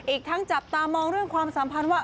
อีกทั้งจับตามองเรื่องความสัมพันธ์ว่า